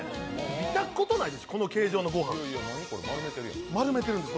見たことないでしょう、この形状のご飯、丸めてるんです。